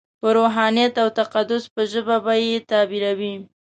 په روحانیت او تقدس په ژبه به یې تعبیروي.